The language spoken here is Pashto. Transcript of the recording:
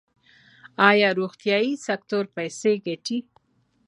آیا روغتیايي سکتور پیسې ګټي؟